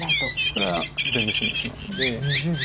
これは全部死んでしまうので。